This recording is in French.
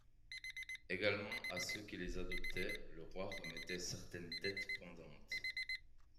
Également à ceux qui les adoptaient, le roi remettait certaines dettes pendantes.